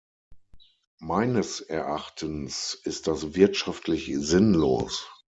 Meines Erachtens ist das wirtschaftlich sinnlos.